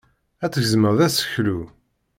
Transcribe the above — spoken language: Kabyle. Ad tgezmeḍ aseklu.